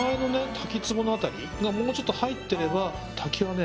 滝壺の辺りがもうちょっと入ってれば滝はね